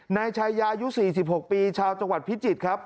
นายชายาอายุ๔๖ปีชาวจังหวัดพิจิตรครับ